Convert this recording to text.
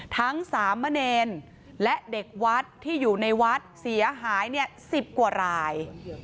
ทั้งสามเณรและเด็กวัดที่อยู่ในวัดเสียหาย๑๐กว่าราย